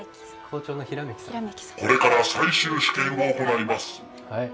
これから最終試験を行います。